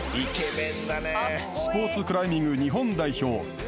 スポーツクライミング日本代表